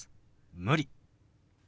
「無理」。